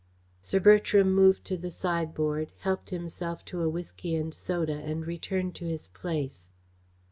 Sir Bertram moved to the sideboard, helped himself to a whisky and soda, and returned to his place.